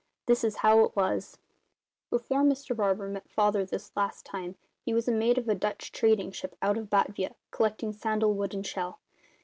This is how it was: "Before Mr Barber met Father, this last time, he was mate of a Dutch ship trading out of Batavia, collecting sandalwood and shell.